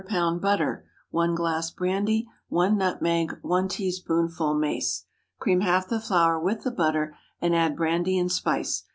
butter. 1 glass brandy. 1 nutmeg. 1 teaspoonful mace. Cream half the flour with the butter, and add brandy and spice.